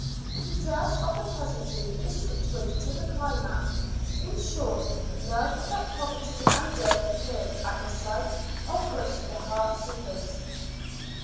The dress of the peasantry is suited to the climate; in short, none of that poverty and dirt appeared, at the sight of which the heart sickens.